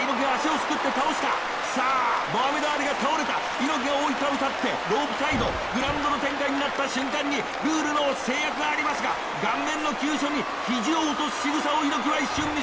猪木が覆いかぶさってロープサイドグラウンドの展開になった瞬間にルールの制約がありますが顔面の急所に肘を落とすしぐさを猪木は一瞬見せました！